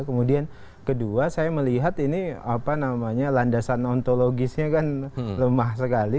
kemudian kedua saya melihat ini apa namanya landasan ontologisnya kan lemah sekali